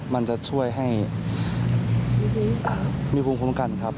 มันจะช่วยให้มีภูมิคุ้มกันครับ